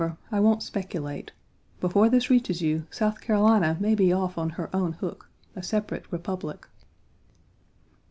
However, I won't speculate. Before this reaches you, South Carolina may be off on her own hook a separate republic."